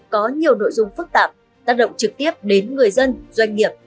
có nhiều nội dung phức tạp tác động trực tiếp đến người dân doanh nghiệp